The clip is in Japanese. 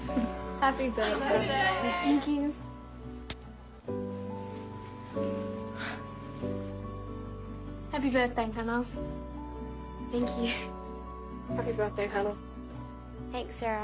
ありがとうサラ。